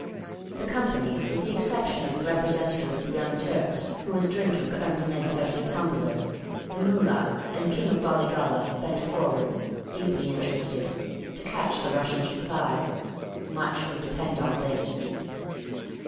The company, with the exception of the representative of the Young Turks, who was drinking creme de menthe out of a tumbler, the Mullah and the King of Bollygolla bent forward, deeply interested, to catch the Russian's reply. Much would depend on this.